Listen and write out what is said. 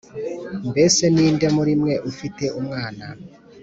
Mbese ni nde muri mwe ufite umwana